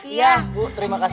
iya bu terima kasih